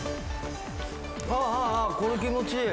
はあはあはあこれ気持ちいい。